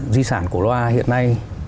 di sản cổ loa hiện nay